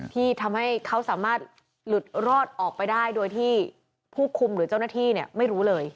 ที่ทำให้เขาสามารถหลุดรอดออกไปได้โดยที่ผู้คุมหรือเจ้าหน้าที่ไม่รู้เลย